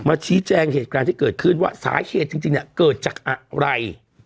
ชี้แจงเหตุการณ์ที่เกิดขึ้นว่าสาเหตุจริงเนี่ยเกิดจากอะไร